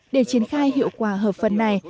để triển khai hiệu quả hợp phần này